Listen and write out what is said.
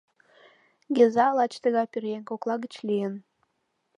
Геза лач тыгай пӧръеҥ кокла гыч лийын.